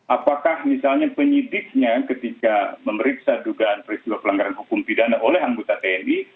apakah misalnya penyidiknya ketika memeriksa dugaan peristiwa pelanggaran hukum pidana oleh anggota tni